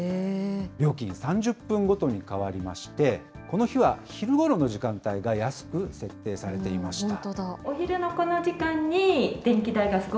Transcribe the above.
料金３０分ごとに変わりまして、この日は昼ごろの時間帯が安く設定されていました。